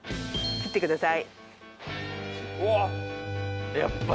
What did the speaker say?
切ってください。